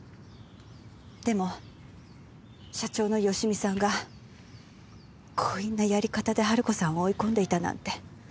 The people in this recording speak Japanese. でも社長の芳美さんが強引なやり方で春子さんを追い込んでいたなんて。